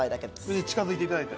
近付いていただいて。